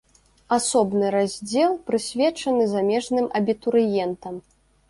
Асобны раздзел прысвечаны замежным абітурыентам.